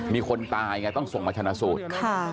มีคนตายไงต้องส่งมาชนะสูตร